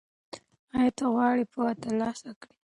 ایا ته غواړې پوهه ترلاسه کړې؟